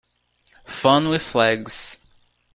Fun with flags.